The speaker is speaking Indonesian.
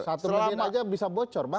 satu menit aja bisa bocor bang